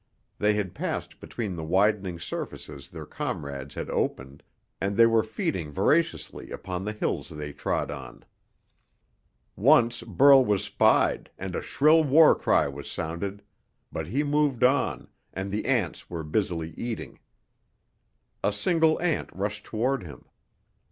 They had passed between the widening surfaces their comrades had opened, and they were feeding voraciously upon the hills they trod on. Once Burl was spied, and a shrill war cry was sounded, but he moved on, and the ants were busily eating. A single ant rushed toward him.